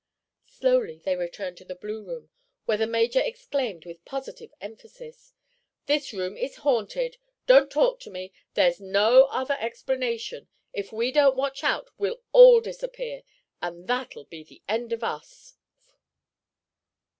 Slowly they returned to the blue room, where the major exclaimed, with positive emphasis: "This room is haunted. Don't talk to me! There's no other explanation. If we don't watch out, we'll all disappear—and that'll be the end of us!"